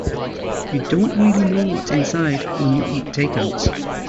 You don't really know what's inside when you eat takeouts.